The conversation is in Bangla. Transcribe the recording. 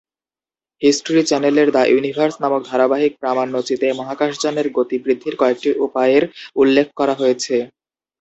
হিস্টরি চ্যানেলের "দ্য ইউনিভার্স" নামক ধারাবাহিক প্রামাণ্য চিত্রে মহাকাশযানের গতি বৃদ্ধির কয়েকটি উপায়ের উল্লেখ করা হয়েছে।